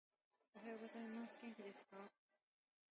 おはようございます。元気ですか？